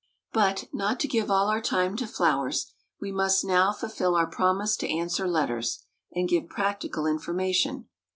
But, not to give all our time to flowers, we must now fulfil our promise to answer letters, and give practical information.